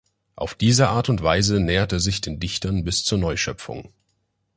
Auf diese Art und Weise näherte er sich den Dichtern bis zur Neuschöpfung.